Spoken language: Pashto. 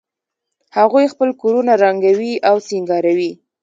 هغوی خپل کورونه رنګوي او سینګاروي